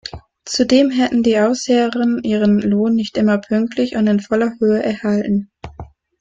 Zudem hätten die Aufseherinnen ihren Lohn nicht immer pünktlich und in voller Höhe erhalten.